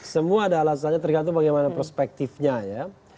semua ada alasannya tergantung bagaimana perspektifnya ya